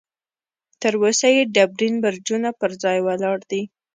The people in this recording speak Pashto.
تر اوسه یې ډبرین برجونه پر ځای ولاړ دي.